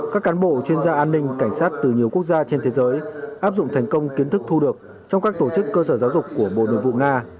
các cán bộ chuyên gia an ninh cảnh sát từ nhiều quốc gia trên thế giới áp dụng thành công kiến thức thu được trong các tổ chức cơ sở giáo dục của bộ nội vụ nga